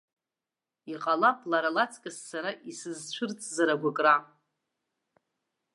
Иҟалап, лара лаҵкыс сара исызцәырҵызар агәыкра.